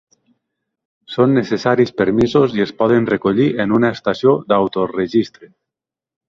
Són necessaris permisos i es poden recollir en una estació d'autorregistre.